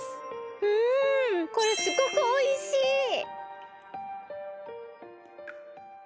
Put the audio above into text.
うんこれすごくおいしい！